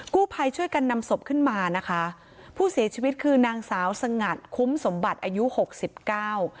กู้ภัยช่วยกันนำศพขึ้นมานะคะผู้เสียชีวิตคือนางสาวสงัดคุ้มสมบัติอายุหกสิบเก้า